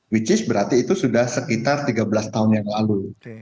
which is berarti itu sudah sekitar tiga belas tahun yang lalu